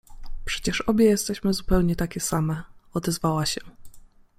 — Przecież obie jesteśmy zupełnie takie same — odezwała się.